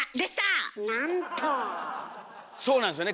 そうなんですよね。